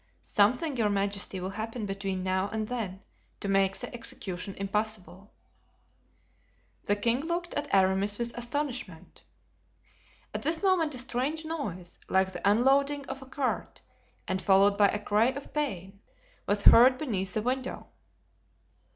"Something, your majesty, will happen between now and then to make the execution impossible." The king looked at Aramis with astonishment. At this moment a strange noise, like the unloading of a cart, and followed by a cry of pain, was heard beneath the window.